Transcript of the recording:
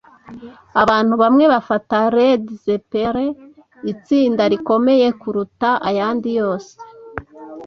Abantu bamwe bafata Led Zeppelin itsinda rikomeye kuruta ayandi yose.